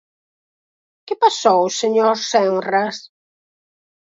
¿Que pasou, señor Senras?